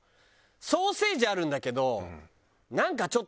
ソーセージあるんだけど。